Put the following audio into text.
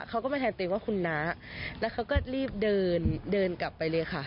เขาก็มาแทนตัวเองว่าคุณน้าแล้วเขาก็รีบเดินเดินกลับไปเลยค่ะ